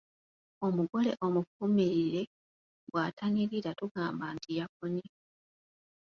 Omugole omufumirire bw’atanyirira tugamba nti yakonye.